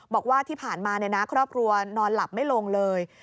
บอกว่าที่ผ่านมาครอบครัวนอนหลับไม่ลงเลย